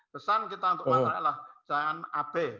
pesan kita untuk masyarakat adalah jangan ab